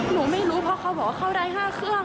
หนูไม่รู้เพราะเขาบอกว่าเขาได้๕เครื่อง